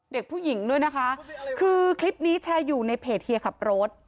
เด็กผู้หญิงด้วยนะคะคือคลิปนี้แชร์อยู่ในเพจเฮียขับรถ